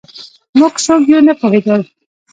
موږ څوک یو نه پوهېدل